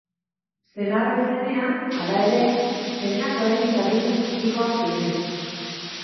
Senarra hil zenean, hala ere, semeak oraindik adinez txikikoak ziren.